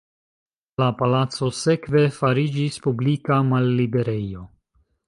La palaco sekve fariĝis publika malliberejo.